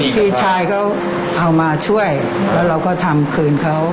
พี่ชายเขาเอามาช่วยแล้วเราก็ทำคืนเขา